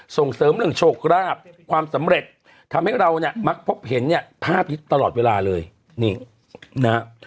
ส่งเสริมเรื่องโชคราบความสำเร็จทำให้เราเนี่ยมักพบเห็นเนี่ยภาพนี้ตลอดเวลาเลยนี่นะฮะ